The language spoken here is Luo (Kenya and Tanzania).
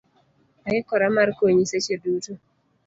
Aikora mar konyi seche duto.